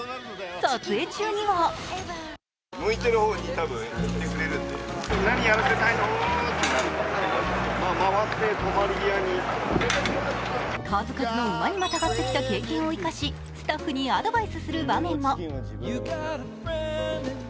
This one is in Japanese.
撮影中には数々の馬にまたがってきた経験を生かしスタッフにアドバイスする場面も。